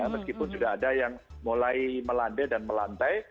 meskipun sudah ada yang mulai melandai dan melantai